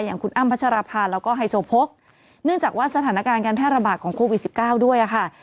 อย่างคุณอ้ำพัชราภาแล้วก็ไฮโซโพกเนื่องจากว่าสถานการณ์การแพร่ระบาดของโควิด๑๙ด้วยค่ะ